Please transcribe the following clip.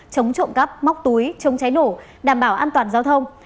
chống trộm cắp móc túi chống cháy nổ đảm bảo an toàn giao thông